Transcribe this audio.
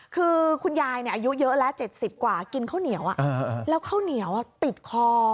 คือคุณยายอายุเยอะแล้ว๗๐กว่ากินข้าวเหนียวแล้วข้าวเหนียวติดคอ